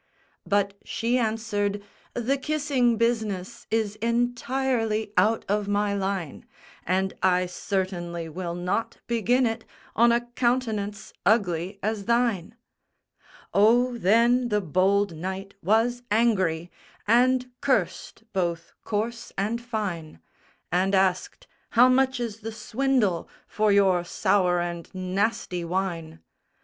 But she answered, "The kissing business Is entirely out of my line; And I certainly will not begin it On a countenance ugly as thine!" Oh, then the bold knight was angry, And cursed both coarse and fine; And asked, "How much is the swindle For your sour and nasty wine?"